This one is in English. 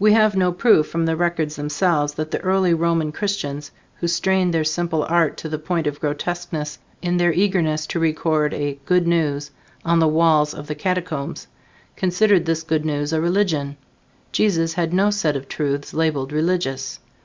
We have no proof from the records themselves that the early Roman Christians, who strained their simple art to the point of grotesqueness in their eagerness to record a "good news" on the walls of the catacombs, considered this good news a religion. Jesus had no set of truths labeled Religious.